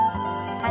はい。